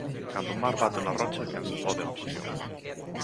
Cando o mar bate na rocha quen se fode é o mexillón.